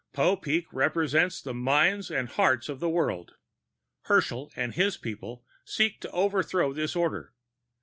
Popeek represents the minds and hearts of the world. Herschel and his people seek to overthrow this order.